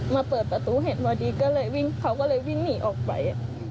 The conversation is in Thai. เปิดประตูเห็นพอดีก็เลยวิ่งเขาก็เลยวิ่งหนีออกไป